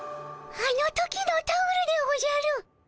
あの時のタオルでおじゃる。